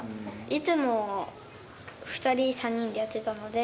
いつも２人、３人でやってたので。